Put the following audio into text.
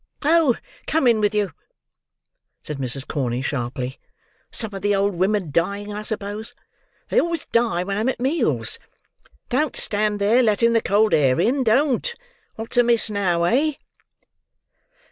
"Oh, come in with you!" said Mrs. Corney, sharply. "Some of the old women dying, I suppose. They always die when I'm at meals. Don't stand there, letting the cold air in, don't. What's amiss now, eh?"